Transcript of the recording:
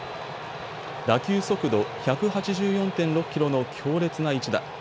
打球速度１８４．６キロの強烈な１打。